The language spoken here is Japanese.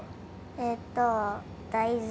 えっと大豆。